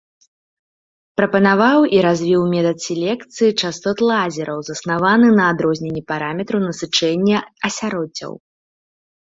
Прапанаваў і развіў метад селекцыі частот лазераў, заснаваны на адрозненні параметраў насычэння асяроддзяў.